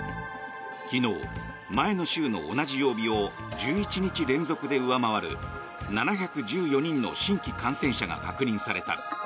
昨日、前の週の同じ曜日を１１日連続で上回る７１４人の新規感染者が確認された。